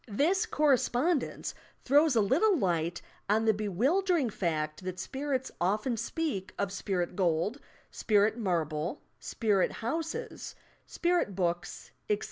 This correspondence throws a little light on the bewildering fact that spirits often speak of spirit gold, spirit marble, spirit housea, spirit books, etc.